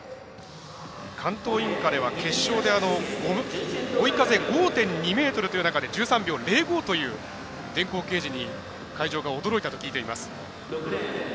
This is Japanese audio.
関東インカレは決勝で追い風５．２メートルという中で１３秒０５という電光掲示に会場が驚いたと聞いています。